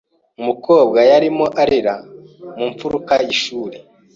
Umukobwa yarimo arira mu mfuruka y'ishuri.